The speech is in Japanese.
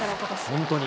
本当に。